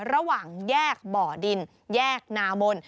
ระหว่างแยกบ่อดินแยกนามน